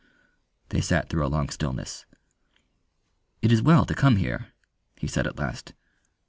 They sat through a long stillness. "It is well to come here," he said at last.